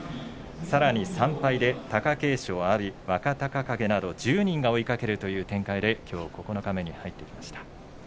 さらに３敗で貴景勝、阿炎と若隆景など１０人が追いかける展開で九日目に入ってきました。